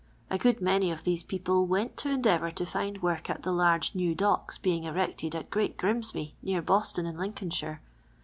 A good many of these people went to endeavour to find work at the large new docks being erected at Great Grimsby, near Boston, in Lincolnshire.